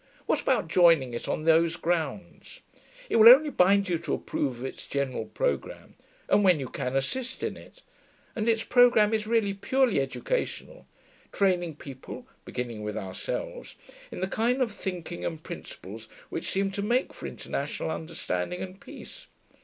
What about joining it, on those grounds? It will only bind you to approve of its general programme, and, when you can, assist in it. And its programme is really purely educational training people (beginning with ourselves) in the kind of thinking and principles which seem to make for international understanding and peace.